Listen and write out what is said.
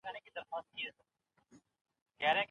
که ښه وای نو ما به ورته ويلي وای .